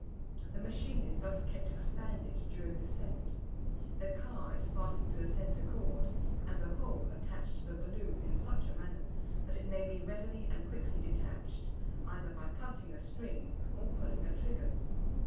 The machine is thus kept expanded during descent. The car is fastened to the centre cord, and the whole attached to the balloon in such a manner that it may be readily and quickly detached, either by cutting a string, or pulling a trigger.